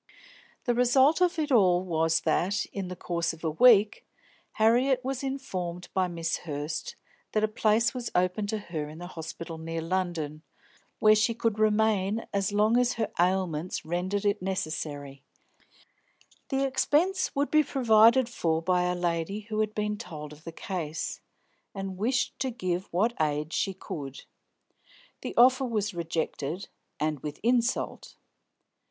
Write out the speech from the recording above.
The result of it all was that, in the course of a week, Harriet was informed by Miss Hurst that a place was open to her in a hospital near London, where she could remain as long as her ailments rendered it necessary; the expense would be provided for by a lady who had been told of the case, and wished to give what aid she could. The offer was rejected, and with insult.